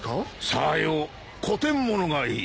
さよう古典物がいい。